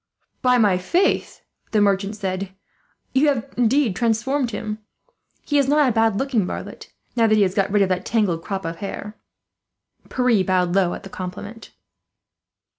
"By my faith!" the merchant said, "you have indeed transformed him. He is not a bad looking varlet, now that he has got rid of that tangled crop of hair." Pierre bowed low at the compliment.